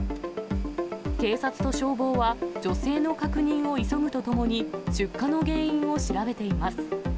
警察と消防は、女性の確認を急ぐとともに、出火の原因を調べています。